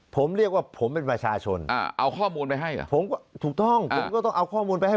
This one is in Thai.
ผมเรียกว่าผมเป็นประชาชนเอาข้อมูลไปให้นะผมก็ถูกต้องผมก็ต้องเอาข้อมูลไปให้